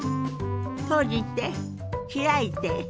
閉じて開いて。